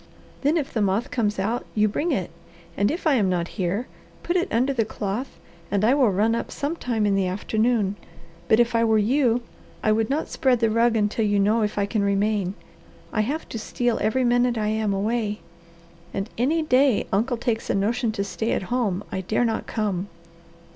"Then if the moth comes out you bring it, and if I am not here, put it under the cloth and I will run up some time in the afternoon. But if I were you, I would not spread the rug until you know if I can remain. I have to steal every minute I am away, and any day uncle takes a notion to stay at home I dare not come."